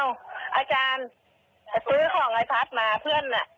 ซื้อของไอพัฒน์มาเพื่อนน่ะ